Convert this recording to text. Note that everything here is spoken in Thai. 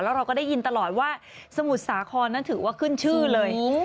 เราก็ได้ยินตลอดว่าสมุทรสาครนั้นถือว่าขึ้นชื่อเลย